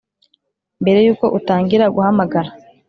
mbere y’uko utangira guhamagara,